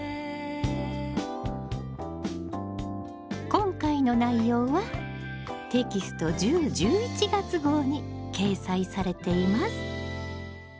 今回の内容はテキスト１０・１１月号に掲載されています。